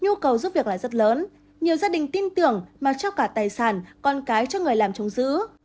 nhu cầu giúp việc lại rất lớn nhiều gia đình tin tưởng mà cho cả tài sản con cái cho người làm chống giữ